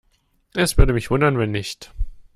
Es würde mich wundern, wenn nicht.